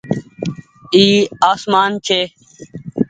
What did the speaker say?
اي آسمان ڇي۔